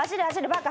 バカ！